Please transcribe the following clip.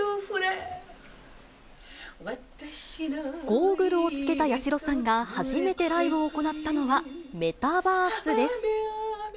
ゴーグルをつけた八代さんが、初めてライブを行ったのは、メタバースです。